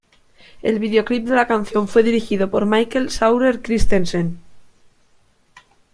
El videoclip de la canción fue dirigido por Michael Sauer Christensen.